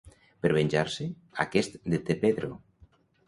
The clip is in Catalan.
Per venjar-se, aquest deté Pedro.